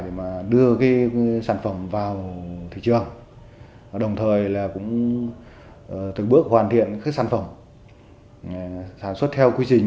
để đưa sản phẩm vào thị trường đồng thời là cũng từng bước hoàn thiện các sản phẩm sản xuất theo quy trình